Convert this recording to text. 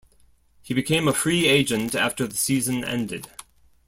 He became a free agent after the season ended.